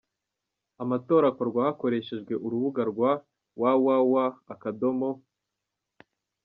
Amatora akorwa hakoresheje urubuga rwa www.